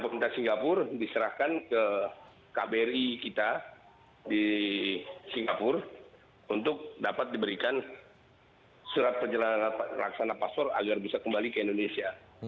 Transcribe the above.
pemerintah singapura diserahkan ke kbri kita di singapura untuk dapat diberikan surat perjalanan laksana paspor agar bisa kembali ke indonesia